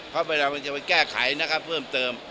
เพราะเวลามันจะไปแก้ไขนะครับเพิ่มเติม